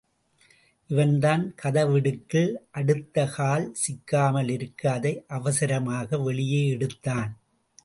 இவன்தான் கதவிடுக்கில் அடுத்தகால் சிக்காமலிருக்க அதை அவசரமாக வெளியே எடுத்தான்.